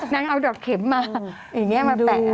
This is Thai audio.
นางเอาดอกเข็มมาอย่างนี้มาแปะ